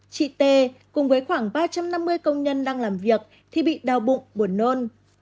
chị t cùng với khoảng ba trăm năm mươi công nhân đang làm việc thì bị đau bụng buồn nôn